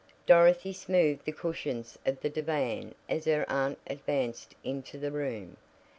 Dorothy smoothed the cushions of the divan as her aunt advanced into the room.